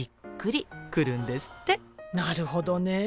なるほどねえ。